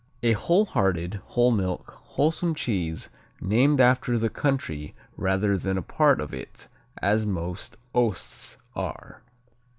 A whole hearted, whole milk, wholesome cheese named after the country rather than a part of it as most osts are.